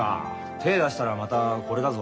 手出したらまたこれだぞ。